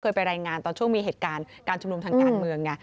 ไปรายงานตอนช่วงมีเหตุการณ์การชุมนุมทางการเมืองไง